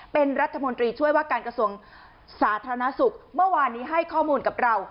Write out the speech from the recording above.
เป็นรัฐมนตรีช่วยว่าการกระทรวงสาธารณสุขเมื่อวานนี้ให้ข้อมูลกับเรา